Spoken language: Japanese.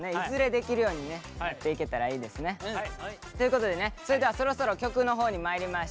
できるようにねしていけたらいいですね。ということでねそれではそろそろ曲のほうにまいりましょう。